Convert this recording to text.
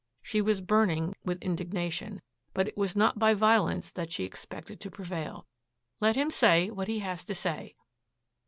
She was burning with indignation, but it was not by violence that she expected to prevail. "Let him say what he has to say."